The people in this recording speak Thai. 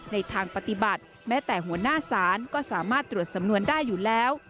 ในทางปฏิบัติแม้แต่หัวหน้าศาลก็สามารถตรวจสำนวนได้อยู่แล้ว